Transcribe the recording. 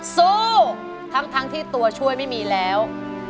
สู้ทั้งที่ตัวช่วยไม่มีแล้ว